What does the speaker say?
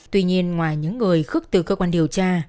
tuy nhiên ngoài những người khức từ cơ quan điều tra